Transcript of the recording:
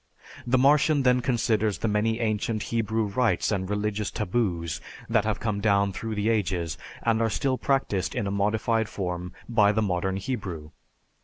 The Martian then considers the many ancient Hebrew rites and religious taboos that have come down through the ages, and are still practiced in a modified form by the modern Hebrew.